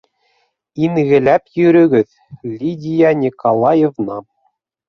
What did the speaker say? - Ингеләп йөрөгөҙ, Лидия Николаевна!